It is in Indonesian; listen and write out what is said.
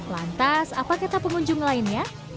lantas apa kata pengunjung lainnya